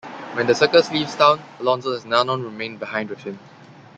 When the circus leaves town, Alonzo has Nanon remain behind with him.